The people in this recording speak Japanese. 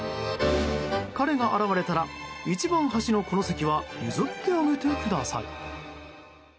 彼が現れたら一番端のこの席は譲ってあげてください。